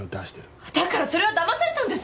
だからそれはだまされたんです！